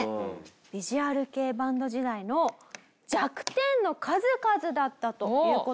ヴィジュアル系バンド時代の弱点の数々だったという事なんでございます。